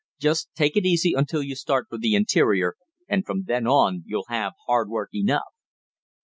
Just take it easy until you start for the interior, and from then on you'll have hard work enough."